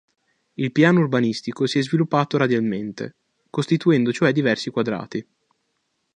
Il piano urbanistico si è sviluppato radialmente, costituendo cioè diversi quadrati.